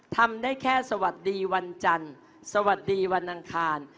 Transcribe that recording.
ทำได้แค่สวัสดีวันจันทร์สวัสดีวันอังคาร